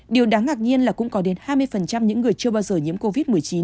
điều đáng ngạc nhiên là cũng có đến hai mươi những người chưa bao giờ nhiễm covid một mươi chín